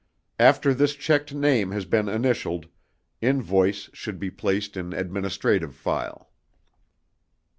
After this checked name has been initialled, invoice should be placed in administrative file.